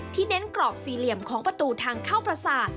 เน้นกรอบสี่เหลี่ยมของประตูทางเข้าประสาท